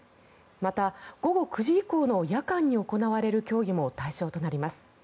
また、午後９時以降の夜間に行われる競技も対象となります。